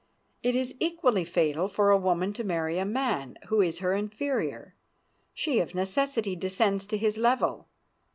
It is equally fatal for a woman to marry a man who is her inferior. She of necessity descends to his level.